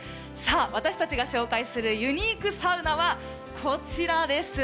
私たちが紹介するユニークサウナはこちらです。